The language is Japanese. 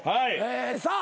さあ。